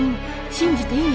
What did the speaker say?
信じていい？